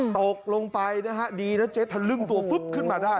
ตกลงไปนะฮะดีนะเจ๊ทะลึ่งตัวฟึ๊บขึ้นมาได้